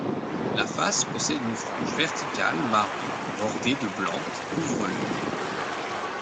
La face possède une frange verticale marron bordée de blanc qui couvre l’œil.